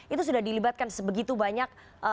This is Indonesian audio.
itu sudah dilibatkan sebegitu banyak